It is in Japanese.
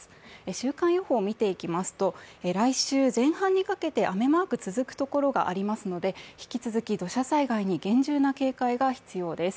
週間予報を見ていきますと来週前半にかけて雨マーク続くところがありますので、引き続き土砂災害に厳重な警戒が必要です。